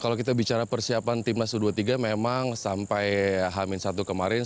kalau kita bicara persiapan timnas u dua puluh tiga memang sampai hamin satu kemarin